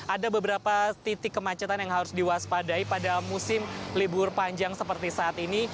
ada beberapa titik kemacetan yang harus diwaspadai pada musim libur panjang seperti saat ini